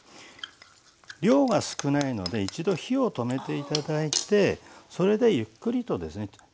量が少ないので一度火を止めて頂いてそれでゆっくりとですね